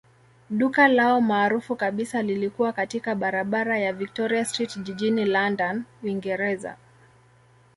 Duka lao maarufu kabisa lilikuwa katika barabara ya Victoria Street jijini London, Uingereza.